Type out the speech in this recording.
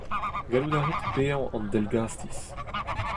Gallout a rit paeañ an dell-gastiz.